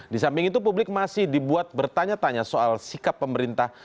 di samping itu publik masih dibuat bertanya tanya soal sikap pemerintah